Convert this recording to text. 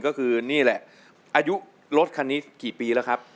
ก็คือนี่แหละอายุรถคันนี้กี่ปีแล้วครับ